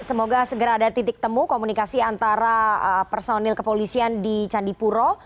semoga segera ada titik temu komunikasi antara personil kepolisian di candipuro